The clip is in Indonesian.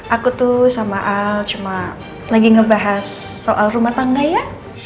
aku tuh sama al cuma lagi ngebahas soal rumah tangga ya